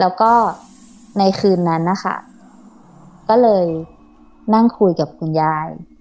แล้วก็ในคืนนั้นนะคะก็เลยนั่งคุยกับคุณยาย